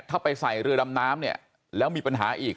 ถ้าไปใส่เรือดำน้ำเนี่ยแล้วมีปัญหาอีก